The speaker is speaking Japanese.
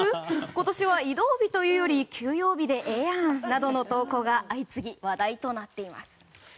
今年は移動日というより休養日でええやんなどの投稿が相次ぎ話題となっています。